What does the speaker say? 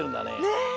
ねえ。